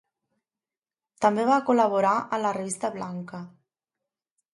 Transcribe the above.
També va col·laborar a La Revista Blanca.